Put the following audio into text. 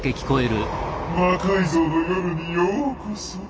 「魔改造の夜」にようこそ。